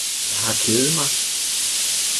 Jeg har kedet mig!